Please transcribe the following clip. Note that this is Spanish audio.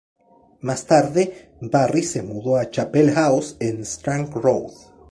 Más tarde, Barry se mudó a Chapel House en Strang Road.